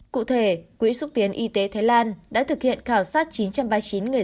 cụ thể quỹ xúc tiến y tế thái lan đã thực hiện khảo sát chín trăm ba mươi chín người